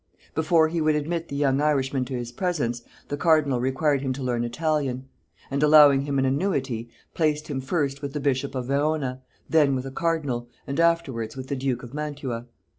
Before he would admit the young Irishman to his presence, the cardinal required him to learn Italian; and allowing him an annuity, placed him first with the bishop of Verona, then with a cardinal, and afterwards with the duke of Mantua.